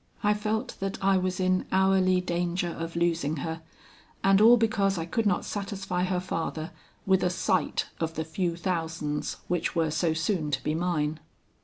I felt that I was in hourly danger of losing her, and all because I could not satisfy her father with a sight of the few thousands which were so soon to be mine.